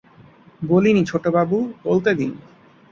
বলিনি ছোটবাবু, বলতে দিন।